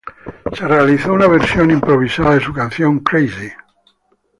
Se realizó una versión improvisada de su canción 'Crazy'.